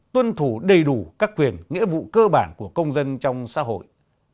tuân thủ đầy đủ các quyền nghĩa vụ cơ bản của công dân trong xã hội